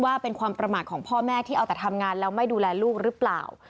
ว่าเป็นความประมาทของพ่อแม่ที่เอาแต่ทำงานแล้วไม่ดูแลลูกหรือเปล่า